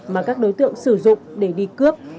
mà các đối tượng sử dụng để đi cướp